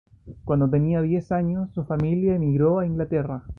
Cuando tenía diez años su familia emigró a Inglaterra.